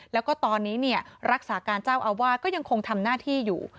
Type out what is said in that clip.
แล้วก็ตอนนี้รักษาการเจ้าอาวาสก็ยังคงทำหน้าที่อยู่